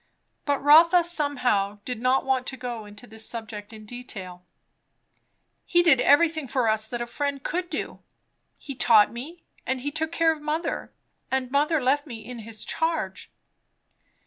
But Rotha somehow did not want to go into this subject in detail. "He did everything for us that a friend could do; he taught me, and he took care of mother; and mother left me in his charge."